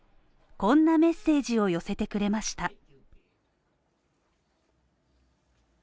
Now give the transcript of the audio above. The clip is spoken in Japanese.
こんなメッセージを寄せてくれました。